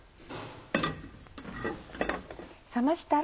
冷ましたら。